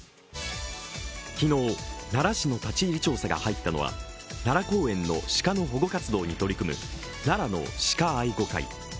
昨日、奈良市の立ち入り調査が入ったのは奈良公園の鹿の保護活動に取り組む奈良の鹿愛護会。